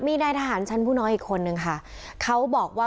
ไม่ได้ทหารชั้นพูดน้อยอีกคนนึงค่ะ